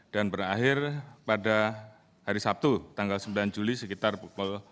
dan berakhir pada hari sabtu tanggal sembilan juli sekitar pukul dua